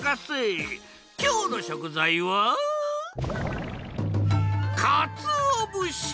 きょうのしょくざいはかつおぶし！